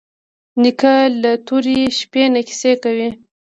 نیکه له تورې شپې نه کیسې کوي.